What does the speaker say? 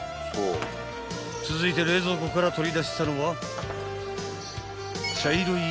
［続いて冷蔵庫から取り出したのは］